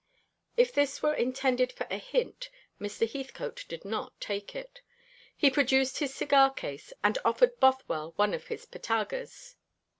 If this were intended for a hint, Mr. Heathcote did not take it. He produced his cigar case, and offered Bothwell one of his Patagas.